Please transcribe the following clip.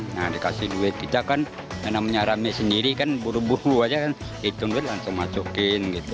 nah dikasih duit kita kan yang namanya rame sendiri kan buru buru aja kan hitung duit langsung masukin gitu